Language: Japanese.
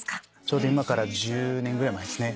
ちょうど今から１０年ぐらい前ですね。